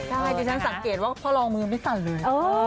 ใช่ดิฉันสังเกตว่าพ่อรองมือไม่สั่นเลย